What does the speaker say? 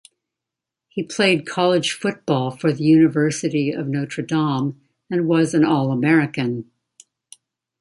He played college football for the University of Notre Dame, and was an All-American.